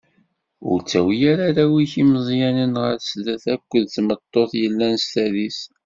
Ur ttawi ara arraw-ik imeẓyanen ɣer sdat akked tmeṭṭut yellan s tadist.